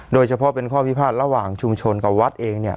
โดยเฉพาะเป็นข้อพิพาทระหว่างชุมชนกับวัดเองเนี่ย